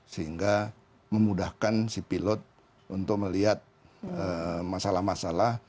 sehingga memudahkan si pilot untuk melihat masalah masalah